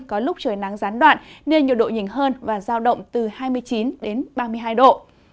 có lúc trời nắng gián đoạn nên nhiều độ nhìn hơn và giao động từ hai mươi chín ba mươi hai độ